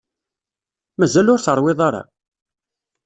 Mazal ur teṛwiḍ ara?